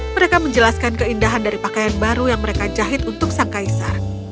mereka menjelaskan keindahan dari pakaian baru yang mereka jahit untuk sang kaisar